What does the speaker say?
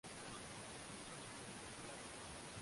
Ni azma yake kuijengea nguvu tasnia ya Filamu Nchini